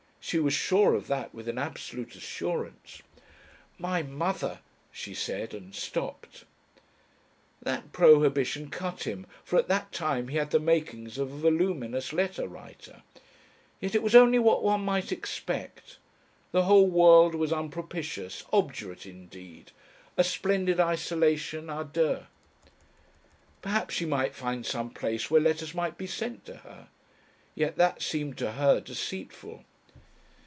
She was sure of that with an absolute assurance. "My mother " she said and stopped. That prohibition cut him, for at that time he had the makings of a voluminous letter writer. Yet it was only what one might expect. The whole world was unpropitious obdurate indeed.... A splendid isolation à deux. Perhaps she might find some place where letters might be sent to her? Yet that seemed to her deceitful.